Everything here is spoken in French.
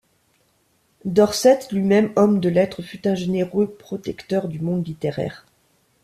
Dorset, lui-même homme de lettres, fut un généreux protecteur du monde littéraire.